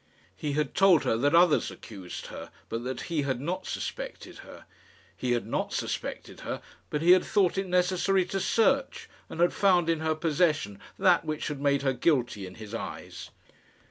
He had told her that others accused her, but that he had not suspected her. He had not suspected her, but he had thought it necessary to search, and had found in her possession that which had made her guilty in his eyes!